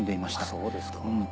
そうですか。